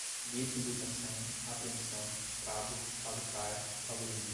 bitributação, apreensão, cabo, caducar, calúnia